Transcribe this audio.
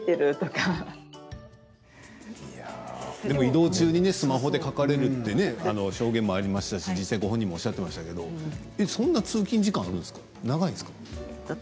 でも、移動中にねスマホで書かれるってね証言もありましたし実際、ご本人もおっしゃってましたけどそんな通勤時間あるんですか？